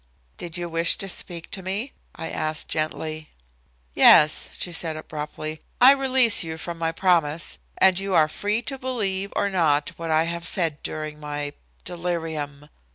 "Did you wish to speak to me?" I asked gently. "Yes," she said abruptly, "I release you from your promise, and you are free to believe or not what I have said during my delirium."